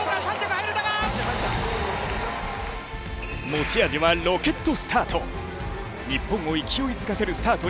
持ち味はロケットスタート。